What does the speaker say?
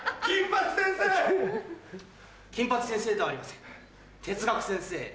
金八先生！